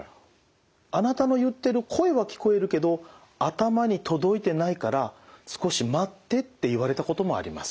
「あなたの言ってる声は聞こえるけど頭に届いてないから少し待って」って言われたこともあります。